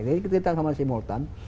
jadi kita sama si multan